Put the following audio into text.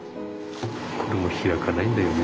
これ開かないんだよね。